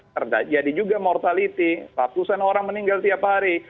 terjadi juga mortality ratusan orang meninggal tiap hari